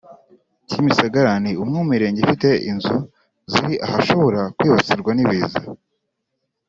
Kimisagara ni umwe mu mirenge ifite inzu ziri ahashobora kwibasirwa n’ibiza